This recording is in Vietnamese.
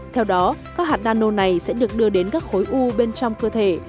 theo đó các hạt nano này sẽ được đưa đến các khối u bên trong cơ thể